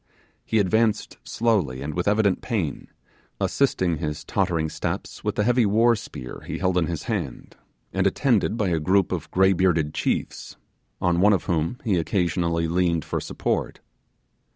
He advanced slowly and with evident pain, assisting his tottering steps with the heavy warspear he held in his hand, and attended by a group of grey bearded chiefs, on one of whom he occasionally leaned for support.